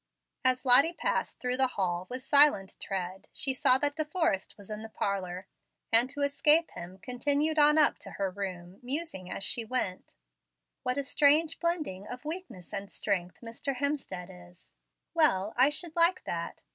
As Lottie passed through the hall with silent tread, she saw that De Forrest was in the parlor, and to escape him continued on up to her room, musing as she went: "What a strange blending of weakness and strength Mr. Hemstead is! Well, I should like that.